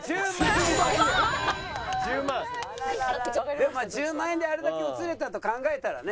でもまあ１０万円であれだけ映れたと考えたらね。